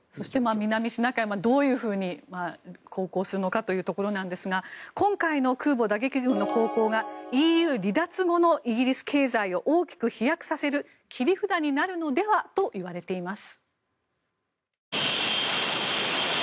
南シナ海はどういうふうに航行するかですが今回の空母打撃群の航行がＥＵ離脱後のイギリス経済を大きく飛躍させる切り札になるのではと言われています。